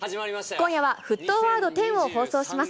今夜は、沸騰ワード１０を放送します。